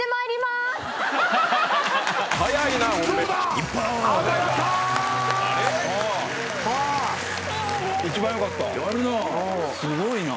すごいな。